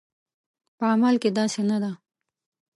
په عمل کې داسې نه ده